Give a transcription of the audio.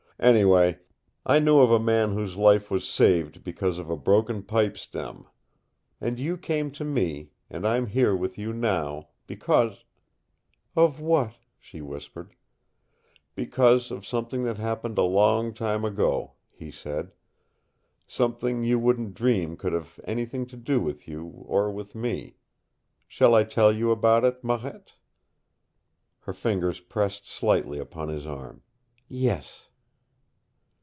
Anyway, I knew of a man whose life was saved because of a broken pipe stem. And you came to me, and I'm here with you now, because " "Of what?" she whispered. "Because of something that happened a long time ago," he said. "Something you wouldn't dream could have anything to do with you or with me. Shall I tell you about it, Marette?" Her fingers pressed slightly upon his arm. "Yes."